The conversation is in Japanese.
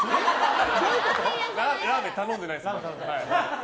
ラーメン頼んでないです。